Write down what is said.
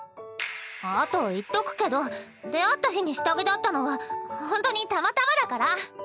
あと言っとくけど出会った日に下着だったのはほんとにたまたまだから！